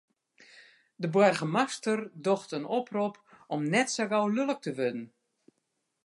De boargemaster docht in oprop om net sa gau lulk te wurden.